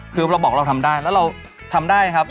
คือเราบอกเราทำได้แล้วเราทำได้ครับ